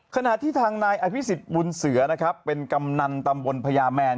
ขณะที่ทางนายอภิษฎบุญเสือนะครับเป็นกำนันตำบลพญาแมน